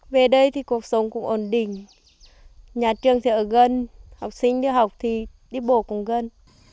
về đây thì cuộc sống cũng ổn định nhà trường thì ở gần học sinh đi học thì đi bộ cũng gần